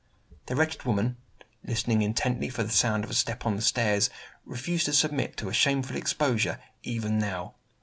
The wretched woman (listening intently for the sound of a step on the stairs) refused to submit to a shameful exposure, even now.